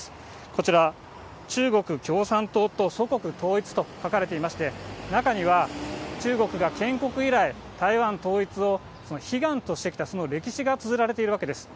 こちら、中国共産党と祖国統一と書かれていまして、中には中国が建国以来、台湾統一を悲願としてきたその歴史がつづられているわけです。